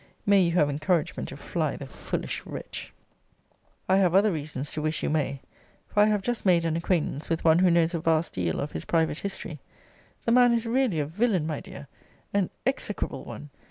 May you have encouragement to fly the foolish wretch! I have other reasons to wish you may: for I have just made an acquaintance with one who knows a vast deal of his private history. The man is really a villain, my dear! an execrable one!